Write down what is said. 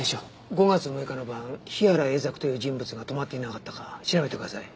５月６日の晩日原英策という人物が泊まっていなかったか調べてください。